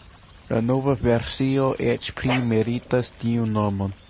La nova versio eĉ pli meritas tiun nomon.